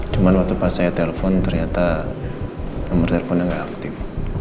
cuma waktu pas saya telepon ternyata nomor teleponnya nggak aktif